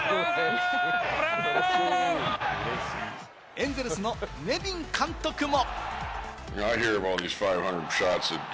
エンゼルスのネビン監督も。